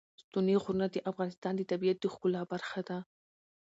ستوني غرونه د افغانستان د طبیعت د ښکلا برخه ده.